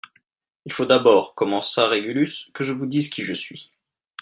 Il faut d'abord, commença Régulus, que je vous dise qui je suis.